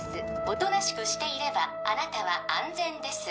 おとなしくしていればあなたは安全です